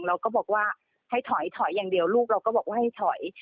เราก็บอกว่าให้ถอยถอยอย่างเดียวลูกเราก็บอกว่าให้ถอย